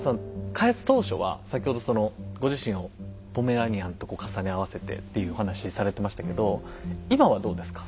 開発当初は先ほどそのご自身をポメラニアンと重ね合わせてっていうお話されてましたけど今はどうですか？